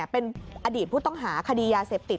เป็นอดีตผู้ต้องหาคดียาเสพติด